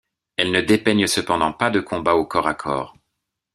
Elles ne dépeignent cependant pas de combat au corps à corps.